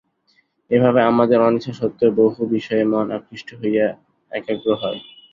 এভাবে আমাদের অনিচ্ছা সত্ত্বেও বহু বিষয়ে মন আকৃষ্ট হইয়া একাগ্র হয়।